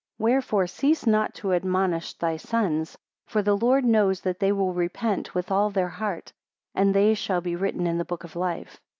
Wherefore cease not to admonish thy sons, for the Lord knows that they will repent with all their heart, and they shall be written in the book of life.